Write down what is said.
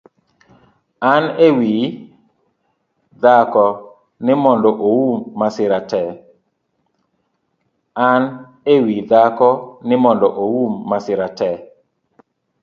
En e wii dhako ni mondo oum masira tee